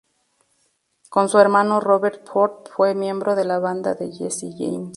Con su hermano Robert Ford fue miembro de la banda de Jesse James.